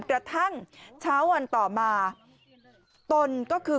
กระทั่งเช้าวันต่อมาตนก็คือ